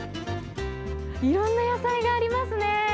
いろんな野菜がありますね。